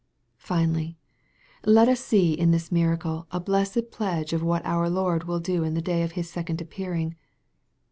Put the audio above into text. Finally, et us see in this miracle a blessed pledge of what our Lord will do in the day of His second appear ing.